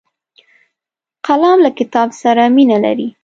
قلم له کتاب سره مینه لري